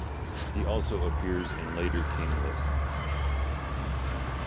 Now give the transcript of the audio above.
He also appears in later king lists.